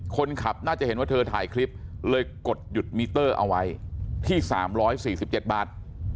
คนขับน่าจะเห็นว่าเธอถ่ายคลิปเลยกดหยุดมิเตอร์เอาไว้ที่๓๔๗บาท